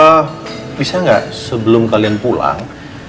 eh bisa gak sebelum kalian pulang